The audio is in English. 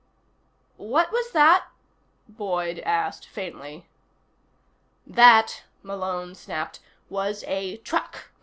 "What was that?" Boyd asked faintly. "That," Malone snapped, "was a truck.